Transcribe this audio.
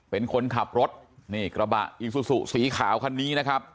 เป็นคนขับรถนี่กระบะอีซูซูสีขาวคันนี้นะครับ